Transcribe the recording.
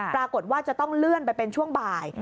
ปรากฏว่าจะต้องเลื่อนไปเป็นช่วงบ่าย